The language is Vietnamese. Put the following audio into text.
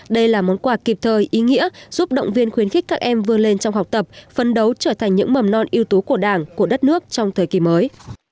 đây là món quà kịp thời ý nghĩa giúp động viên khuyến khích các em vươn lên trong học tập phân đấu trở thành những mầm non yếu tố của đảng của đất nước trong thời kỳ mới